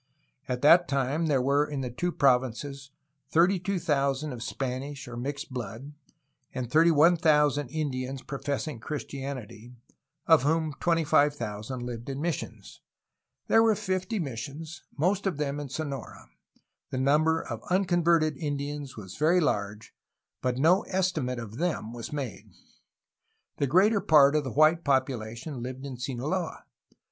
At that time there were in the two prov inces 32,000 of Spanish or mixed blood, and 31,000 Indians professing Christianity, of whom 25,000 lived in missions. There were fifty missions, most of them in Sonora. The number of unconverted Indians was very large, but no estimate of them was made. The ^eater part of the white popu lation hved in Sinaloa.